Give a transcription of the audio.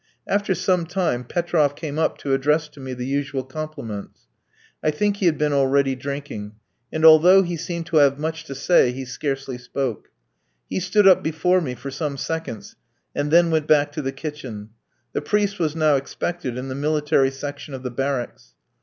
After some time Petroff came up to address to me the usual compliments. I think he had been already drinking, and although he seemed to have much to say, he scarcely spoke. He stood up before me for some seconds, and then went back to the kitchen. The priest was now expected in the military section of the barracks.